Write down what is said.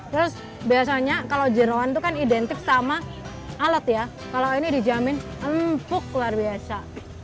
terus biasanya kalau jerawan itu kan identik sama alat ya kalau ini dijamin empuk luar biasa